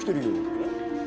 えっ？